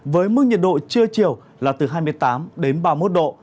với mức nhiệt độ trưa chiều là từ hai mươi tám đến ba mươi một độ